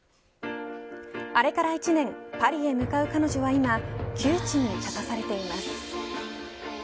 あれから１年パリへ向かう彼女は今窮地に立たされています。